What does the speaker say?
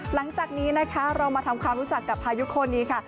หลังจากนี้นะคะเรามาทำความรู้จักกับพายุโคนนี้ค่ะ